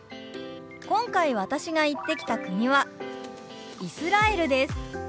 今回私が行ってきた国はイスラエルです。